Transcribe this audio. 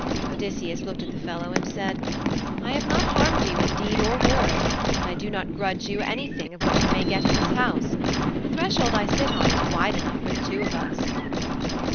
Odysseus looked at the fellow and said, 'I have not harmed you in deed or word, and I do not grudge you anything of what you may get in this house. The threshold I sit on is wide enough for two of us.'